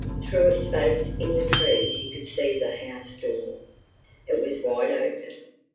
Through a space in the trees he could see the house door; it was wide open.